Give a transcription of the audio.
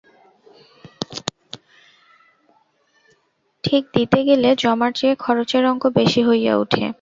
ঠিক দিতে গেলে জমার চেয়ে খরচের অঙ্ক বেশি হইয়া উঠে।